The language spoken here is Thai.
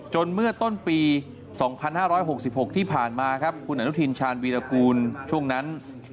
เมื่อต้นปี๒๕๖๖ที่ผ่านมาครับคุณอนุทินชาญวีรกูลช่วงนั้น